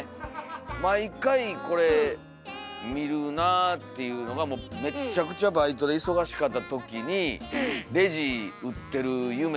毎回これ見るなっていうのがめっちゃくちゃバイトで忙しかった時にお。